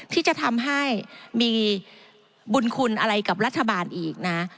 ที่จะทำให้มีบุญคุณอะไรกับรัฐบาลอีกนะ